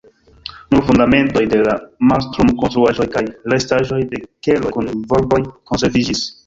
Nur fundamentoj de la mastrum-konstruaĵoj kaj restaĵoj de keloj kun volboj konserviĝis.